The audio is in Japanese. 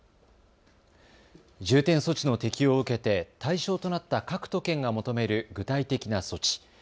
重点措置の適用を受けて対象となった各都県が求める具体的な措置。